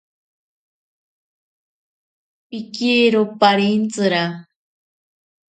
Pikiero parentsira.